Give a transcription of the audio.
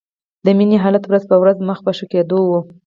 د مينې حالت ورځ په ورځ مخ په ښه کېدو و